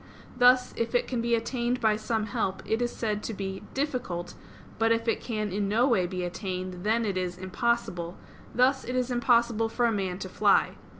Thus, if it can be attained by some help, it is said to be "difficult"; but if it can in no way be attained, then it is "impossible"; thus it is impossible for a man to fly.